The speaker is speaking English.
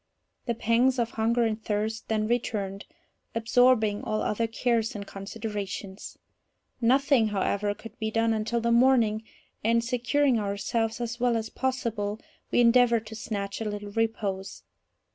The pangs of hunger and thirst then returned, absorbing all other cares and considerations. Nothing, however, could be done until the morning, and, securing ourselves as well as possible, we endeavoured to snatch a little repose.